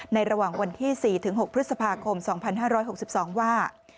ระหว่างวันที่๔๖พฤษภาคม๒๕๖๒ว่า